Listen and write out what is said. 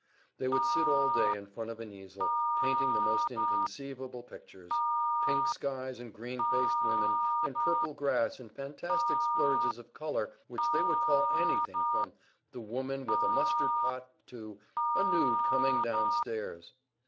They would sit all day in front of an easel, painting the most inconceivable pictures pink skies and green faced women and purple grass and fantastic splurges of color which they would call anything from "The Woman with a Mustard Pot" to "A Nude Coming Downstairs."